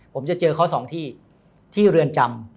ผมจะเจอเขา๒ที่ที่เรือนจำ